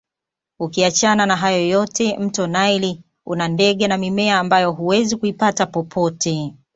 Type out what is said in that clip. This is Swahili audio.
Ukiachana na hayo yote mto naili una ndege na mimea ambayo huwezi kuipata popote